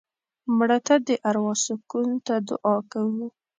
مړه ته د اروا سکون ته دعا کوو